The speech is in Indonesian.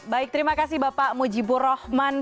baik terima kasih bapak mujibur rahman